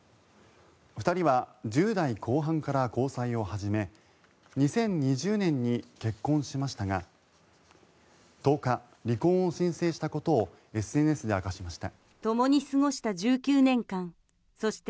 ２人は１０代後半から交際を始め２０２０年に結婚しましたが１０日、離婚を申請したことをＳＮＳで明かしました。